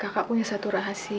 kakak punya satu rahasia